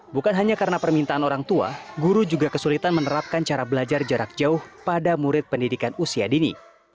bukan hanya karena permintaan orang tua guru juga kesulitan menerapkan cara belajar jarak jauh pada murid pendidikan usia dini